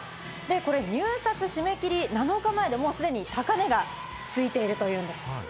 これ入札締め切り７日前で、もう既に高値がついているというんです。